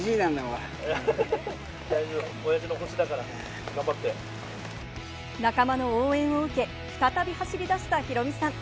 大丈夫、おやじの星だから、仲間の応援を受け、再び走りだしたヒロミさん。